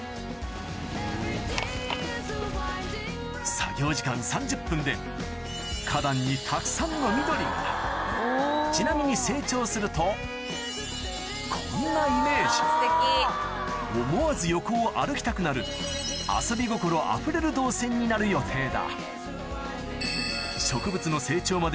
作業時間３０分で花壇にたくさんの緑がちなみに成長するとこんなイメージ思わず横を歩きたくなる予定だ